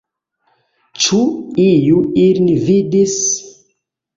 Ĉu iu ilin vidis?